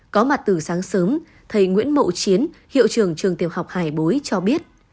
có mặt từ sáng sớm thầy nguyễn mậu chiến hiệu trường trường tiểu học hải bối cho biết